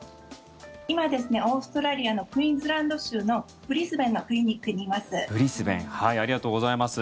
今、オーストラリアのクイーンズランド州のブリスベンのクリニックにいます。